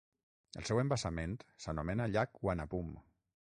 El seu embassament s'anomena llac Wanapum.